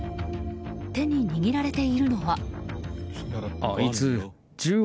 手に握られているのは。